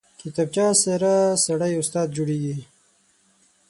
کتابچه سره سړی استاد جوړېږي